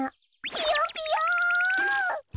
ぴよぴよ！